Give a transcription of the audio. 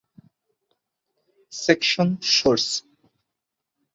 section source